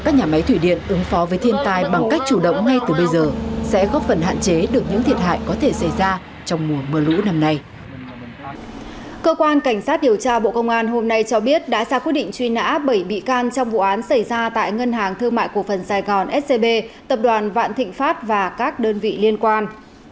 cơ quan cảnh sát điều tra bộ công an hôm nay cho biết đã ra quyết định truy nã bảy bị can trong vụ án xảy ra tại ngân hàng thương mại cổ phần sài gòn scb tập đoàn vạn thịnh pháp và các đơn vị liên quan